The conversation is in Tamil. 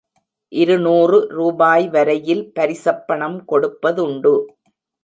இருநூறு ரூபாய் வரையில் பரிசப்பணம் கொடுப்பதுண்டு.